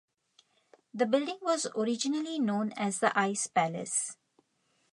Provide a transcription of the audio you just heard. The building was originally known as the Ice Palace.